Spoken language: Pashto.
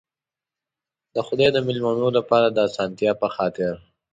د خدای د مېلمنو لپاره د آسانتیا په خاطر.